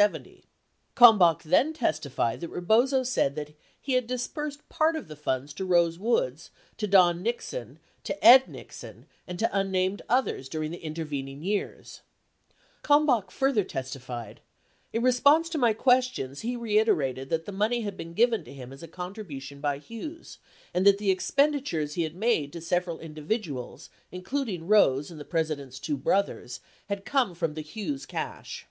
46 Kalmbach then testified that Rebozo said that "he had disbursed part of the funds to Rose Woods, to Don Nixon, to Ed Nixon and to unnamed others during the intervening years " 47 Kalmbach further testified, "In response to my questions, he reiterated that the money had been given to him as a contribution by Hughes, and that the expenditures he had made to sev eral individuals including Rose and the President's two brothers had come from the Hughes cash."